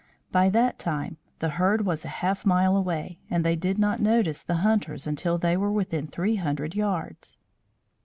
By that time the herd was a half mile away and they did not notice the hunters until they were within three hundred yards.